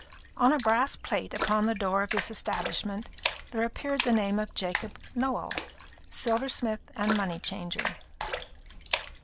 On a brass plate upon the door of this establishment there appeared the name of Jacob Nowell, silversmith and money changer.